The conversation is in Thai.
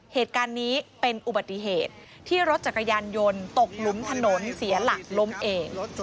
เหตุการณ์นี้เป็นอุบัติเหตุที่รถจักรยานยนต์ตกหลุมถนนเสียหลักล้มเอง